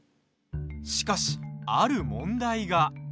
しかし、ある問題が。